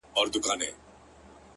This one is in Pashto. اوس يې ياري كومه ياره مـي ده،